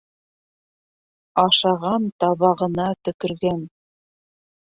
Ашаған табағына төкөргән.